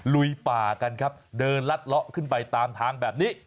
ลุยป่ากันครับเดินลัดเลาะขึ้นไปตามทางแบบนี้